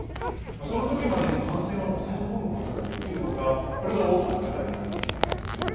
その時までに感染を抑え込むことができるのかこれが大きな課題になっているんですね。